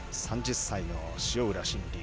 ３０歳の塩浦慎理。